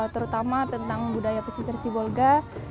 terutama tentang budaya pesisir sibolga